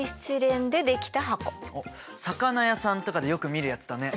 おっ魚屋さんとかでよく見るやつだね。